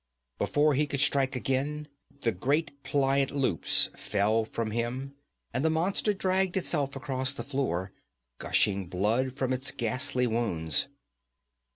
Before he could strike again, the great pliant loops fell from him and the monster dragged itself across the floor, gushing blood from its ghastly wounds.